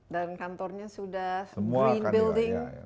dan kantornya sudah green building